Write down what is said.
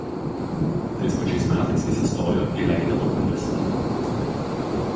Tais pačiais metais jis įstojo į Leideno universitetą.